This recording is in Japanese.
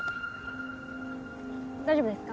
大丈夫ですか？